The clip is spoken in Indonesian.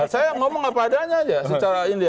saya ngomong apa adanya aja secara ini